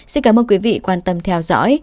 xin cảm ơn quý vị quan tâm theo dõi